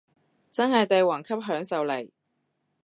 真係帝王級享受嚟